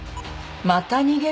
「また逃げるんだ？